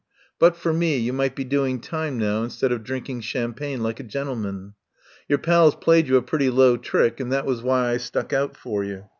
But for me you might be doing time now instead of drinking champagne like a gentleman. Your pals played you a pretty low trick, and that was why I stuck out for you.